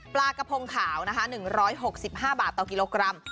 ปลากระพงขาวนะคะ๑๖๕บาทต่อกิโลกรัม